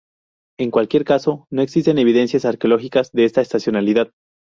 En cualquier caso, no existen evidencias arqueológicas de esta estacionalidad.